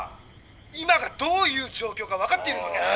今がどういう状況か分かっておられるのですか？」。